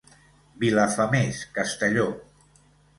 Vilafamés, Castelló.